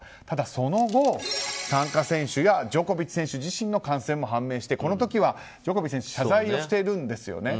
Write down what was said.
ただ、その後参加選手やジョコビッチ選手自身の感染も判明してこの時はジョコビッチ選手謝罪をしているんです。